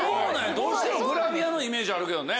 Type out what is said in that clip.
どうしてもグラビアのイメージあるけどね。